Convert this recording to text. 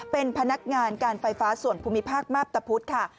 เป็นพนักงานการไฟฟ้าส่วนภูมิภาคมาพตะพุธค่ะ